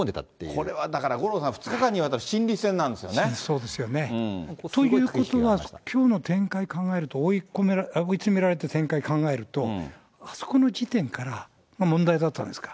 これはだから五郎さん、２日そうですよね。ということは、きょうの展開考えると、追い詰められた展開考えると、あそこの時点から問題だったんですか。